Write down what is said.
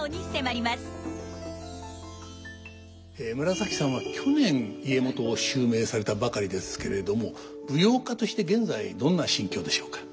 紫さんは去年家元を襲名されたばかりですけれども舞踊家として現在どんな心境でしょうか？